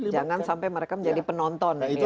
jangan sampai mereka menjadi penonton